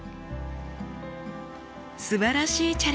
すばらしいチャレンジ